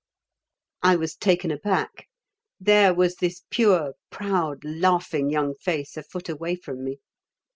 I was taken aback. There was this pure, proud, laughing young face a foot away from me.